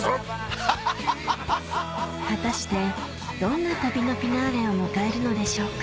果たしてどんな旅のフィナーレを迎えるのでしょうか？